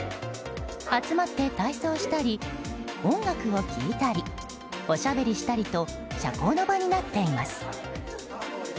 集まって体操したり音楽を聴いたりおしゃべりしたりと社交の場になっています。